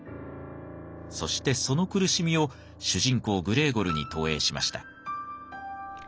そしてその苦しみを主人公グレーゴルに投影しました。